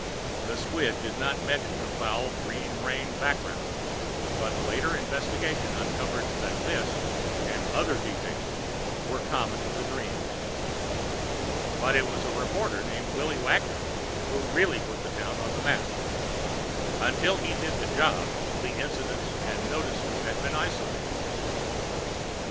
The squib did not mention the foul green rain background, but later investigation uncovered that this and other details were common to the dreams. But it was a reporter named Willy Wagoner who really put the town on the map. Until he did the job, the incidents and notices had been isolated.